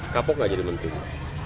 kapok gak jadi menteri